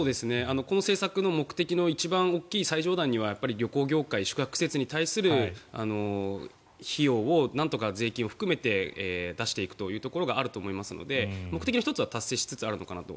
この政策の目的の一番大きい最上段には旅行業界宿泊施設に対する費用をなんとか税金を含めて出していくところがあると思いますので目的の１つは達成しつつあるのかなと。